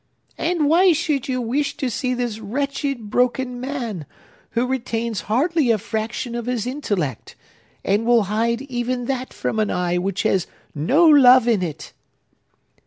"And why should you wish to see this wretched, broken man, who retains hardly a fraction of his intellect, and will hide even that from an eye which has no love in it?"